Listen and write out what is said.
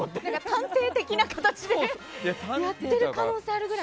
探偵的な感じでやってる可能性があるぐらい。